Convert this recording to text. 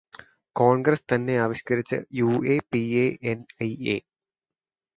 Congress തന്നെയാവിഷ്കരിച്ച യു.ഏ.പി.ഏ.-എന്.ഐ.ഏ.